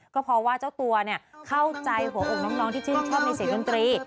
ก็เพราะว่าเจ้าตัวเข้าใจหัวอกน้องที่ชื่นชอบในเสียงดนตรี